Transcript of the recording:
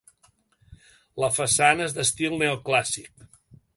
La façana és d'estil neoclàssic.